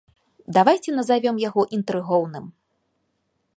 Давайце назавём яго інтрыгоўным.